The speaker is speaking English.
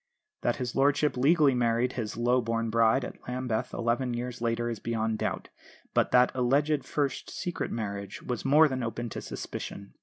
That his lordship legally married his low born bride at Lambeth eleven years later is beyond doubt, but that alleged first secret marriage was more than open to suspicion.